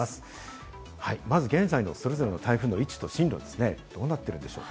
まず現在のそれぞれの台風の位置と進路はどうなっているでしょう？